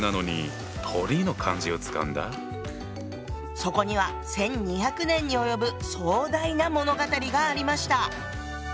そこには１，２００年に及ぶ壮大な物語がありました！